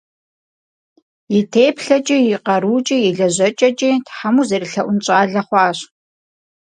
И теплъэкӏи, и къарукӏи, и лэжьэкӏэкӏи Тхьэм узэрелъэӏун щӏалэ хъуащ.